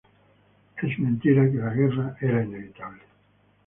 La guerra era inevitable.